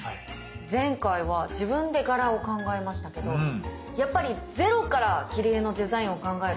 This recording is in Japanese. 前回は自分で柄を考えましたけどやっぱりゼロから切り絵のデザインを考えるっていうのは大変なんですかね。